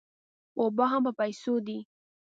اوبه هم په پیسو دي.